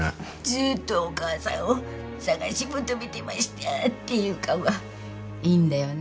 ずーっとお母さんを捜し求めてましたっていう顔がいいんだよね。